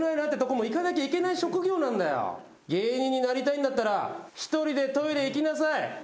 芸人になりたいんだったら１人でトイレ行きなさい。